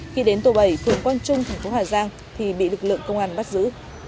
khi đến tổ bẩy phường quang trung tp hà giang thì bị lực lượng công an bắt giữ